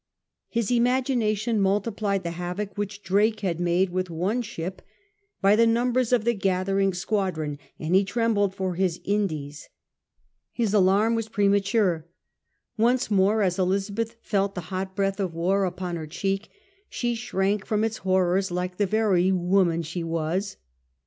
His imagination multiplied the havoc which Drake had made with one ship by the numbers of the gathering squadron, and he trembled for his Indies. His alarm was premature. Once more as Elizabeth felt the hot breath of war upon her cheek she shrank from its horrors like the very woman she was.